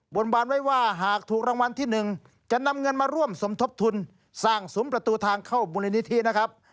บนบานไว้ว่าหากถูกรางวัลที่๑จะนำเงินมาร่วมสมทบทุนสร้างสุมประตูทางเข้ามูลนิธินะครับ